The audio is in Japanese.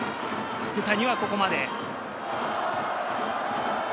福谷はここまで。